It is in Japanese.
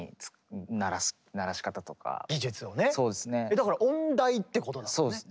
だから音大ってことだもんね。